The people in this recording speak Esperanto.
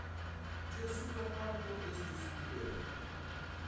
Ĝia supra parto estis libera.